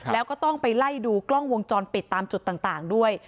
แล้วก็ต้องไปไล่ดูกล้องวงจรปิดตามจุดต่างด้วย